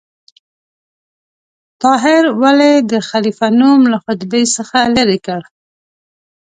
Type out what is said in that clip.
طاهر ولې د خلیفه نوم له خطبې څخه لرې کړ؟